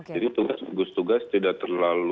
jadi tugas tugas tidak terlalu